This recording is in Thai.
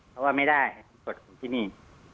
เขาว่าไม่ได้ตัดผมทีนี้